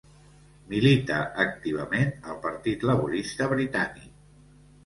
Milita activament al partit laborista britànic.